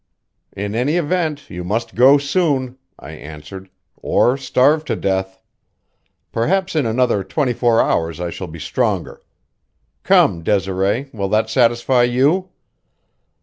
"In any event, you must go soon," I answered, "or starve to death. Perhaps in another twenty four hours I shall be stronger. Come, Desiree; will that satisfy you?"